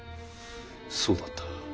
そうだった